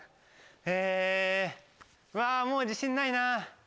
えわもう自信ないな。